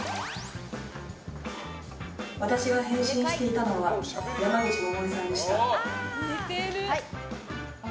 私が変身していたのは山口百恵さんでした。